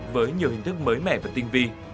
với nhiều hình thức mới mẻ và tinh vi